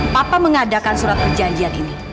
papa mengadakan surat perjanjian